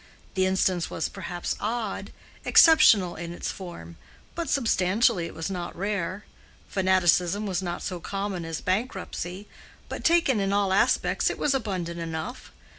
The instance was perhaps odd, exceptional in its form, but substantially it was not rare. Fanaticism was not so common as bankruptcy, but taken in all its aspects it was abundant enough.